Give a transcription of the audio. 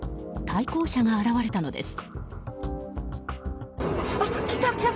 対向車が現れたのです。